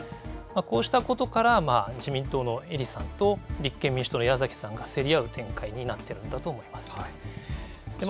こうしたことから、自民党の英利さんと立憲民主党の矢崎さんが、競り合う展開になっているんだと思います。